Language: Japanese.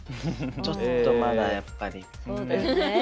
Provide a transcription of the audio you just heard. ちょっとまだやっぱり。